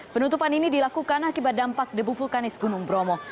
penutupan ini dilakukan akibat dampak debu vulkanis gunung bromo